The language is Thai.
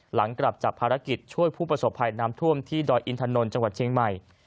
หลังกลับจากภารกิจช่วยผู้ประสบภัยน้ำท่วมที่ดอยอินถนนจังหวัดเชียงใหม่